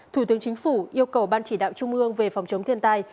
thủ tướng chính phủ yêu cầu ban chỉ đạo trung ương về phòng chống thiên tai